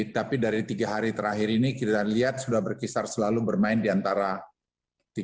tapi dari tiga hari terakhir ini kita lihat sudah berkisar selalu bermain di antara tiga